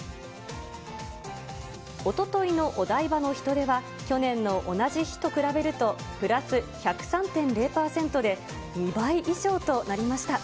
おとといのお台場の人出は、去年の同じ日と比べると、プラス１０３．０％で、２倍以上となりました。